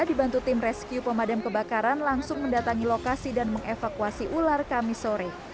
dibantu tim rescue pemadam kebakaran langsung mendatangi lokasi dan mengevakuasi ular kami sore